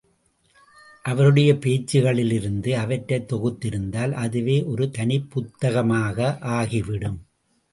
அவருடைய பேச்சுக்களிலிருந்து அவற்றைத் தொகுத்திருந்தால் அதுவே ஒரு தனிப் புத்தகமாக ஆகிவிடும்.